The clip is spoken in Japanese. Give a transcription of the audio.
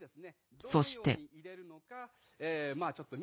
そして。